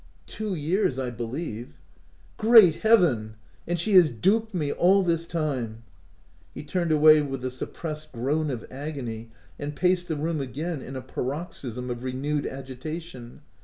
"Two years, I believe." " Great Heaven ! and she has duped me all this time !" He turned away with a sup pressed groan of agony, and paced the room again, in a paroxysm of renewed agitation.